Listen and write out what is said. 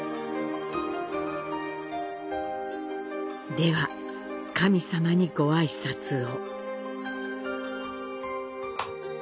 では、神様にご挨拶を。